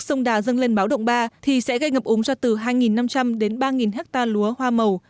sông đà dâng lên báo động ba thì sẽ gây ngập úng cho từ hai năm trăm linh đến ba hectare lúa hoa màu